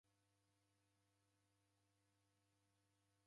Shaya radalasa iseghe